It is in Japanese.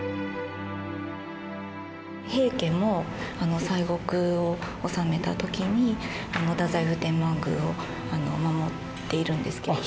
平家も西国を治めた時に太宰府天満宮を守っているんですけれど。